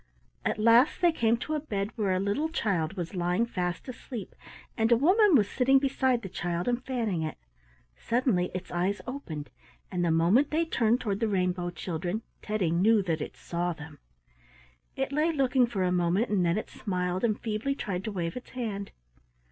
At last they came to a bed where a little child was lying fast asleep, and a woman was sitting beside the child and fanning it. Suddenly its eyes opened, and the moment they turned toward the rainbow children, Teddy knew that it saw them. It lay looking for a moment and then it smiled and feebly tried to wave its hand.